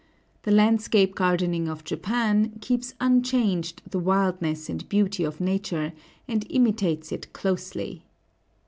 The landscape gardening of Japan keeps unchanged the wildness and beauty of nature, and imitates it closely.